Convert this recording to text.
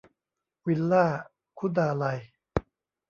วิลล่า คุณาลัย